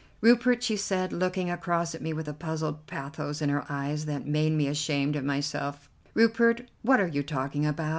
"Rupert," she said, looking across at me with a puzzled pathos in her eyes that made me ashamed of myself; "Rupert, what are you talking about?